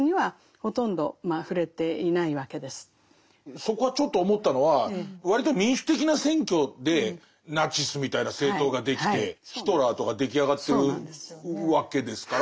そこはちょっと思ったのは割と民主的な選挙でナチスみたいな政党ができてヒトラーとか出来上がってるわけですから。